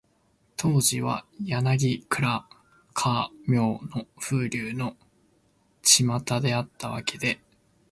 当時は、柳暗花明の風流のちまたであったわけで、